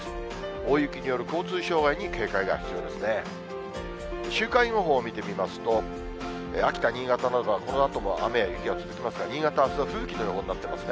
大雪による交通障害に警戒が必要ですね。